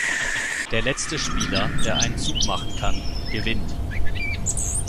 Der letzte Spieler, der einen Zug machen kann, gewinnt.